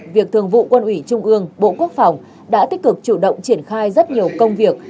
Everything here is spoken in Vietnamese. việc thường vụ quân ủy trung ương bộ quốc phòng đã tích cực chủ động triển khai rất nhiều công việc